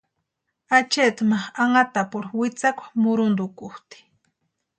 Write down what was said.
Achaati ma anhatapurhu witsakwa muruntukutʼi.